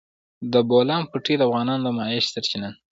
د بولان پټي د افغانانو د معیشت سرچینه ده.